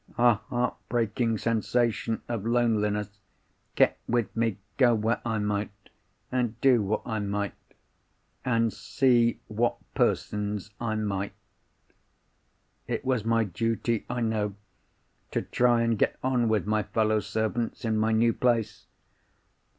A heart breaking sensation of loneliness kept with me, go where I might, and do what I might, and see what persons I might. It was my duty, I know, to try and get on with my fellow servants in my new place.